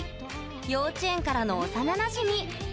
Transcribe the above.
幼稚園からの幼なじみ。